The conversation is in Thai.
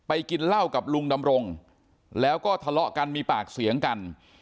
กินเหล้ากับลุงดำรงแล้วก็ทะเลาะกันมีปากเสียงกัน